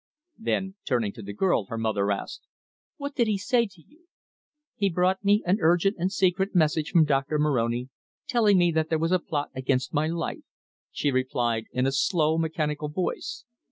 Then, turning to the girl, her mother asked: "What did he say to you?" "He brought me an urgent and secret message from Doctor Moroni, telling me that there was a plot against my life," she replied in a slow, mechanical voice.